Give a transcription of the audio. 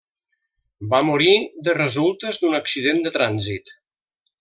Va morir de resultes d'un accident de trànsit.